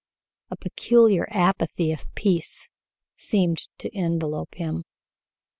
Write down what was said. A peculiar apathy of peace seemed to envelop him.